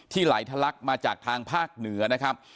ไหลทะลักมาจากทางภาคเหนือนะครับ